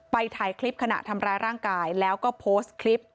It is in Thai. ถ่ายคลิปขณะทำร้ายร่างกายแล้วก็โพสต์คลิป